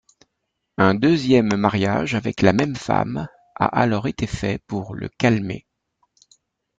Un deuxième mariage avec la même femme a alors été fait pour le calmer.